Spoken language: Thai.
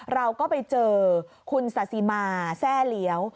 เราก็ไปเจอคุณสาธิมาแซ่เหลียว